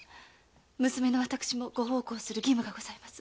娘の私もご奉公する義務がございます。